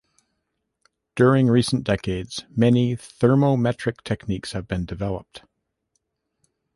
During recent decades, many thermometric techniques have been developed.